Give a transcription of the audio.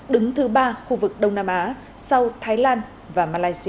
đứng thứ ba khu vực đông nam á sau thái lan và malaysia